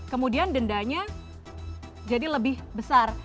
kemudian dendanya jadi lebih besar